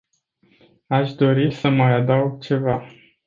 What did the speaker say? Aș dori să mai adaug ceva.